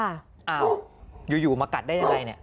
อ้าวอยู่มากัดได้อย่างไร